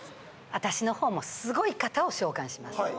私の方もすごい方を召喚します。